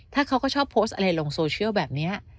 ถ้าเขาก็ชอบโพสต์อะไรลงโซเชียลแบบนี้